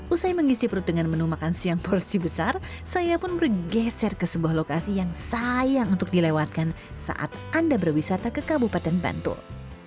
usai mengisi perut dengan menu makan siang porsi besar saya pun bergeser ke sebuah lokasi yang sayang untuk dilewatkan saat anda berwisata ke kabupaten bantul